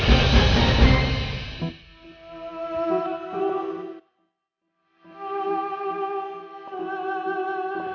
tolong kasih gue kesempatan